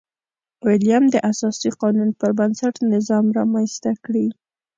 ویلیم د اساسي قانون پربنسټ نظام رامنځته کړي.